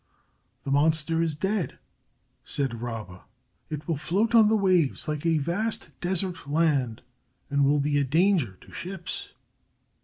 "The monster is dead," said Rabba. "It will float on the waves like a vast desert land and will be a danger to ships."